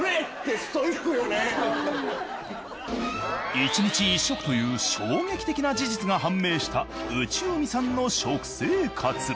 １日１食という衝撃的な事実が判明した内海さんの食生活。